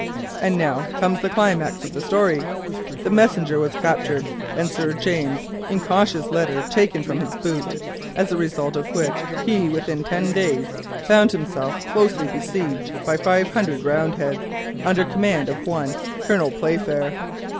"And now comes the climax of the story. The messenger was captured and Sir James's incautious letter taken from his boot, as a result of which within ten days' time he found himself closely besieged by five hundred Roundheads under the command of one Colonel Playfair.